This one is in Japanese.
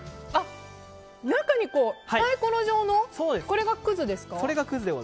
中にサイコロ状のくれがくずですか？